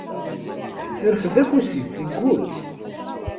Irfed afus-is, iggull.